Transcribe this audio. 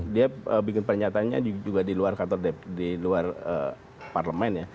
dia bikin pernyataannya juga diluar kantor diluar parlemen ya